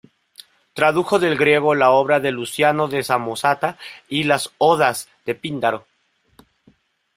Tradujo del griego la obra de Luciano de Samosata y las "Odas" de Píndaro.